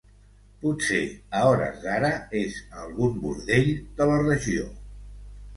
Potser, a hores d'ara, és a algun bordell de la regió...